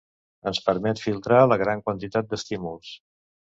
ens permet filtrar la gran quantitat d'estímuls